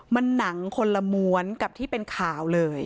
มันหนังคนละม้วนกับที่เป็นข่าวเลย